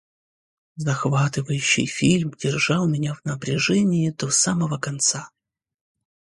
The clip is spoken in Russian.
Захватывающий фильм держал меня в напряжении до самого конца.